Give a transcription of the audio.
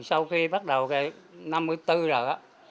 sau khi bắt đầu năm mươi bốn rồi á